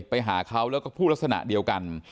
ไปหาเขาแล้วก็พูดลักษณะเดียวกัน